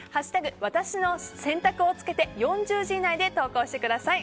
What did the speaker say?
ワタシの選択」をつけて４０字以内で投稿してください。